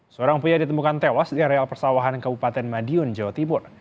seorang pria ditemukan tewas di areal persawahan kabupaten madiun jawa timur